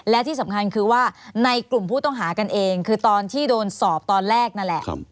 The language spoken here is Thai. และที่สำคัญคือว่าในกลุ่มผู้ต้องหากันเองคือตอนที่โดนสอบตอนแรกนั่นแหละ